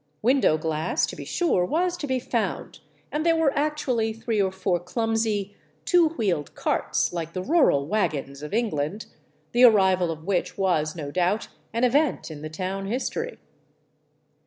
Window glass, to be sure, was to be found, and there were actually three or four clumsy, two wheeled carts, like the rural wagons of England, the arrival of which was no doubt an event in the town history.